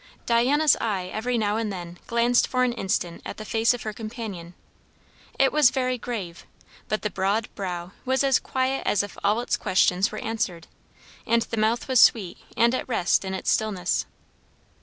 Diana's eye every now and then glanced for an instant at the face of her companion; it was very grave, but the broad brow was as quiet as if all its questions were answered, and the mouth was sweet and at rest in its stillness.